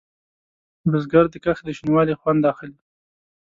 بزګر د کښت د شین والي خوند اخلي